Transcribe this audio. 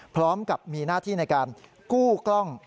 พร้อมกับมีหน้าที่ในการกู้กล้อง